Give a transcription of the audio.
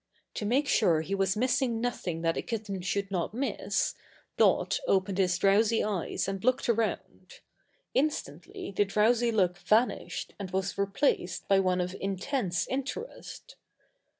To make sure he was missing nothing that a kitten should not miss, Dot opened his drowsy eyes and looked around. Instantly the drowsy look vanished and was replaced by one of intense interest.